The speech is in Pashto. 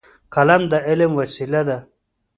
قلم د علم وسیله ده.